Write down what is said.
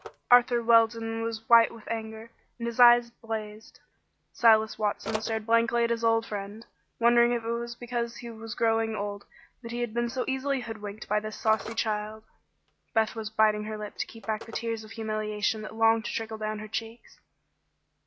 Arthur Weldon was white with anger, and his eyes blazed. Silas Watson stared blankly at his old friend, wondering if it was because he was growing old that he had been so easily hoodwinked by this saucy child. Beth was biting her lip to keep back the tears of humiliation that longed to trickle down her cheeks.